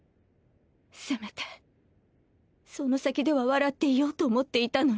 せめてその先では笑っていようと思っていたのに